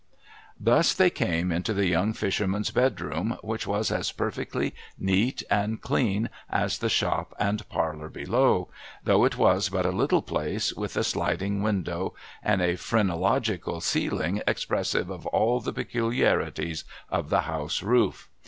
Thus they came into the young fisherman's bedroom, which was as perfectly neat and clean as the shop and parlour below ; though it was but a little place, with a sliding window, and a phrenological ceiling expressive of all the peculiarities of the house roof.